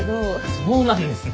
そうなんですね。